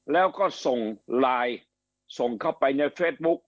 แล้วก็ส่งไลน์ส่งเข้าไปในเฟซบุ๊ค